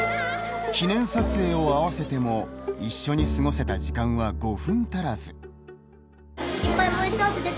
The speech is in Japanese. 記念撮影を合わせても一緒に過ごせた時間は５分足らず。